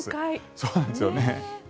そうなんですよね。